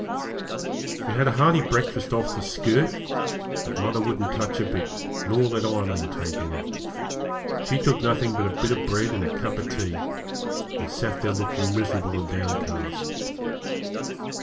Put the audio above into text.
We had a hearty breakfast off the 'skirt', but mother wouldn't touch a bit, nor let Aileen take any; she took nothing but a bit of bread and a cup of tea, and sat there looking miserable and downcast.